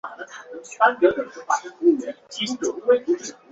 德斯皮奥受到嘉隆帝的信任。